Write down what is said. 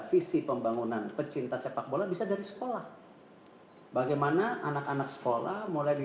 visi pembangunan pecinta sepak bola bisa dari sekolah bagaimana anak anak sekolah mulai di